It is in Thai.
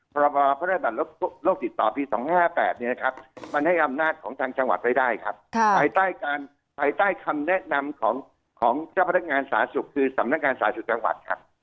พระบาทพระนักบาลโลกหลักศึกษาปี๒๕๕๘มันให้อำนาจของทางจังหวัดไปได้ครับไปใต้คำแนะนำของเจ้าพลังการสาธารณูชาสุขจังหวัด